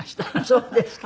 そうですか。